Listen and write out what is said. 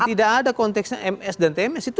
tidak ada konteksnya ms dan tms itu